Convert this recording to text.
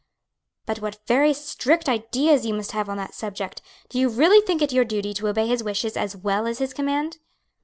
"But what very strict ideas you must have on that subject! do you really think it your duty to obey his wishes as well as his command?"